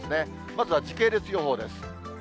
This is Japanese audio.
まずは時系列予報です。